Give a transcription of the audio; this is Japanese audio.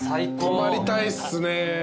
泊まりたいっすね。